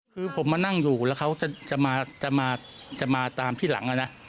คือผมมานั่งอยู่แล้วเขาจะมาตามที่หลังนะ